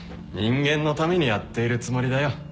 人間のためにやっているつもりだよ